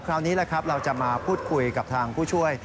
คราวนี้เราจะมาพูดคุยกับทางผู้ช่วย